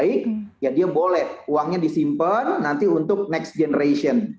jadi kalau kita memperkenalkan dana umumnya sudah baik ya dia boleh uangnya disimpan nanti untuk next generation